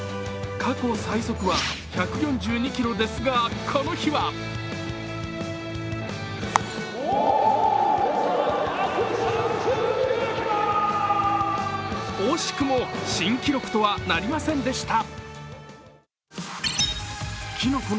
過去最速は１４２キロですが、この日は惜しくも新記録とはなりませんでした。